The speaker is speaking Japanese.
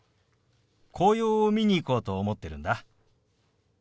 紅葉を見に行こうと思ってるんだ。